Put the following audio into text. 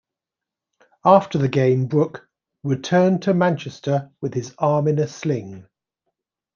After the game, Brook 'returned to Manchester with his arm in a sling'.